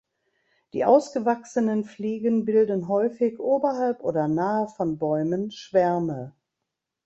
Die ausgewachsenen Fliegen bilden häufig oberhalb oder nahe von Bäumen Schwärme.